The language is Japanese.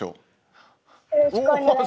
よろしくお願いします。